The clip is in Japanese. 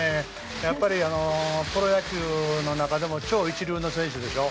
やっぱりプロ野球の中でも超一流の選手でしょ。